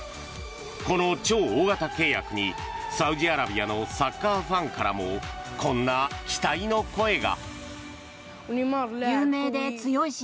この超大型契約にサウジアラビアのサッカーファンからもこんな期待の声が。